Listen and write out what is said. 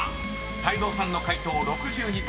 泰造さんの解答６２％］